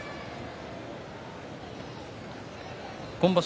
今場所